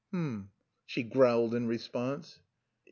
"H'm!" she growled in response.